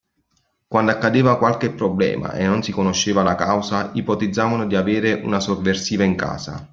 Quando accadeva qualche problema e non si conosceva la causa, ipotizzavano di avere una sovversiva in casa.